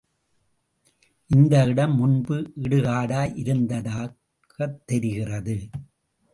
இந்த இடம் முன்பு இடுகாடாய் இருந்ததாகத் தெரிகிறது.